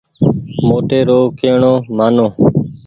موٽي رو ڪي ڻو مآنو۔